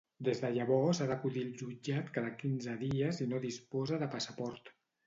Des de llavors ha d'acudir al jutjat cada quinze dies i no disposa de passaport.